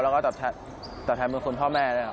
แล้วก็ตอบแทนบุญคุณพ่อแม่ด้วยครับ